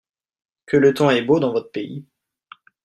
Que le temps est beau dans votre pays !